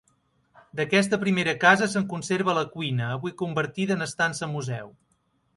D'aquesta primera casa se'n conserva la cuina, avui convertida en estança museu.